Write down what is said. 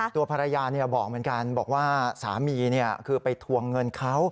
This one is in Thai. ตัวภรรยาบอกเหมือนกันบอกว่าสามีคือไปทวงเงินเขา